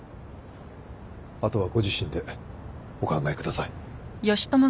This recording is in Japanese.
あとはご自身でお考えください。